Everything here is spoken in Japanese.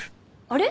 あれ！？